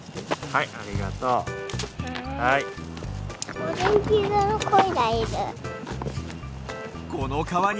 はいありがとう。あった！